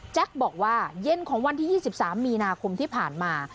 บอกว่าเย็นของวันที่๒๓มีนาคมที่ผ่านมา